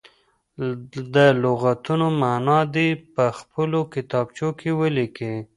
د لغتونو معنا دې په خپلو کتابچو کې ولیکي.